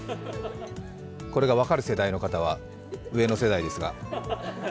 これが分かる世代の方は上の世代ですが。